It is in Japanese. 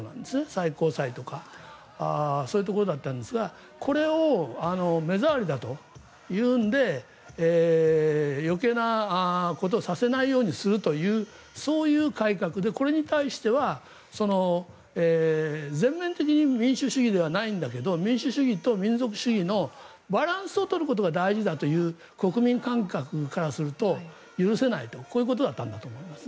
最高裁とかそういうところだったんですがこれを目障りだというので余計なことをさせないようにするというそういう改革でこれに対しては全面的に民主主義ではないんだけど民主主義と民族主義のバランスを取ることが大事だという国民感覚からすると許せないとこういうことだったんだと思います。